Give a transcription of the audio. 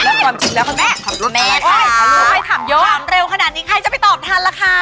แม่ขอบรรทัลค่ะหลูกให้ถามเยอะหลูกให้ถามเร็วขนาดนี้ใครจะไปตอบทันล่ะคะ